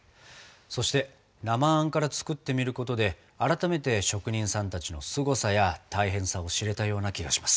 そして生あんから作ってみることで改めて職人さんたちのすごさや大変さを知れたような気がします。